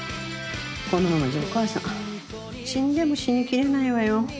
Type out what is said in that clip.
このままじゃお母さん死んでも死にきれないわよ。